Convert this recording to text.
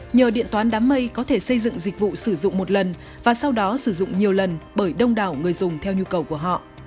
nhờ điện toán đám mây có thể xây dựng dịch vụ sử dụng một lần và sau đó sử dụng nhiều lần bởi đông đảo người dùng theo nhu cầu của họ